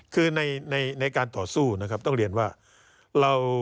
คือในในการต่อสู้นะครับต้องเรียนว่าเรา